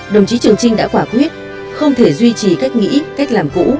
đồng chí trường trinh đã quả quyết không thể duy trì cách nghĩ cách làm cũ